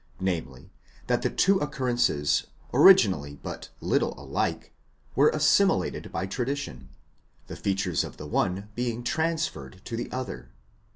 namely, that the two occur rences, originally but little alike, were assimilated by tradition, the features of the one being transferred to the other.